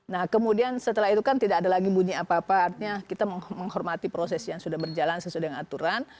nah kemudian setelah itu kan tidak ada lagi bunyi apa apa artinya kita menghormati proses yang sudah berjalan sesuai dengan aturan